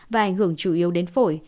và ảnh hưởng chủ yếu đến phổi